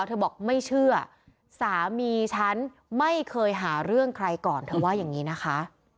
เธอบอกไม่เชื่อสามีฉันไม่เคยหาเรื่องใครก่อนเธอว่าอย่างนี้นะคะ